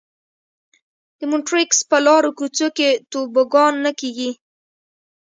د مونټریکس په لارو کوڅو کې توبوګان نه کېږي.